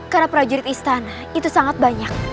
karena prajurit istana itu sangat banyak